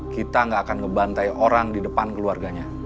kita gak akan ngebantai orang di depan keluarganya